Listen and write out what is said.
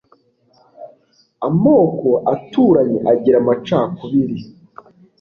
amoko aturanye agira amacakubiri